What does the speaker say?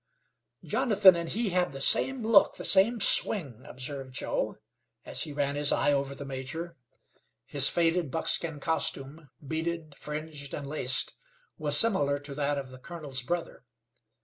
"Jonathan and he have the same look, the same swing," observed Joe, as he ran his eye over the major. His faded buckskin costume, beaded, fringed, and laced, was similar to that of the colonel's brother.